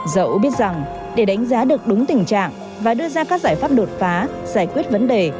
dẫu biết rằng để đánh giá được đúng tình trạng và đưa ra các giải pháp đột phá giải quyết vấn đề